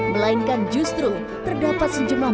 melainkan justru terdapat sejumlah